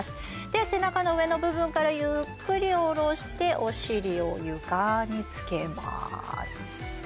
では背中の上の部分からゆっくり下ろしてお尻を床につけます。